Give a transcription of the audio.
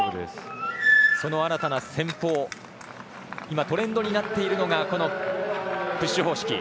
新たな戦法トレンドになっているのがプッシュ方式。